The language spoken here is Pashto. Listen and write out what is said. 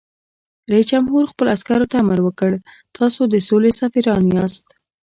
رئیس جمهور خپلو عسکرو ته امر وکړ؛ تاسو د سولې سفیران یاست!